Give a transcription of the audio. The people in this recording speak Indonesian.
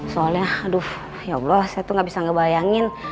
soalnya aduh ya allah saya tuh gak bisa ngebayangin